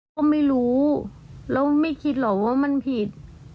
ก็ไม่รู้แล้วไม่คิดหรอกว่ามันผิด